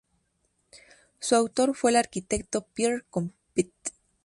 Su autor fue el arquitecto Pere Compte.